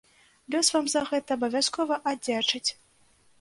Лёс вам за гэта абавязкова аддзячыць!